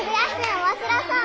おもしろそう。